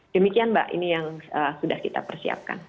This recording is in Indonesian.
demikian mbak ini yang sudah kita persiapkan